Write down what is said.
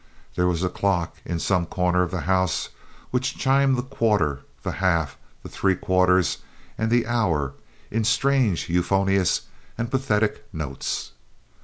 There was a clock in some corner of the house which chimed the quarter, the half, the three quarters, and the hour in strange, euphonious, and pathetic notes.